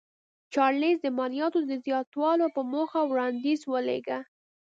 چارلېز د مالیاتو د زیاتولو په موخه وړاندیز ولېږه.